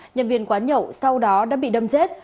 nhân viên quán nhậu sau đó đã bị đâm chết